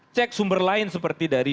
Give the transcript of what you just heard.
cek sumber lain seperti dari